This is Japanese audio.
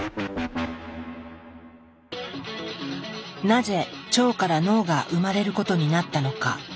なぜ腸から脳が生まれることになったのか。